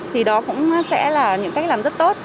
thì đó cũng sẽ là những cách làm rất tốt